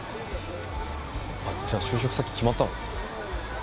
じゃあ就職先決まったの？